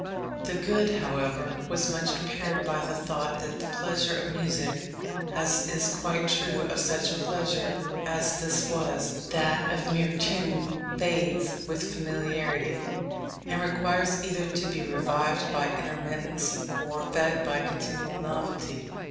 The good, however, was much impaired by the thought that the pleasure of music (as is quite true of such pleasure as this was, that of mere tune) fades with familiarity, and requires either to be revived by intermittence, or fed by continual novelty.